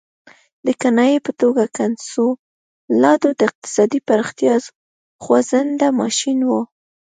د کنایې په توګه کنسولاډو د اقتصادي پراختیا خوځنده ماشین وو.